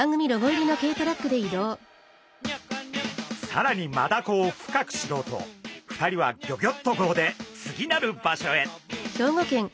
さらにマダコを深く知ろうと２人はギョギョッと号で次なる場所へ！